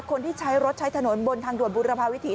คนที่ใช้รถใช้ถนนบนทางด่วนบุรพาวิถี